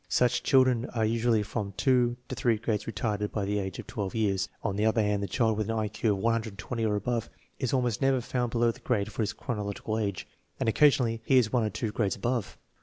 Such children are usually from two to three grades retarded by the age of 12 years. On the other hand, the child with an I Q of 120 or above is almost never found below the grade for his chronological age, and occasionally he is one or two grades above.